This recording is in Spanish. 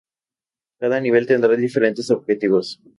Cada nivel tendrá diferentes objetivos.